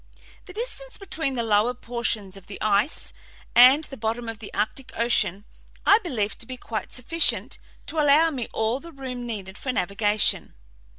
The distance between the lower portions of the ice and the bottom of the Arctic Ocean I believe to be quite sufficient to allow me all the room needed for navigation.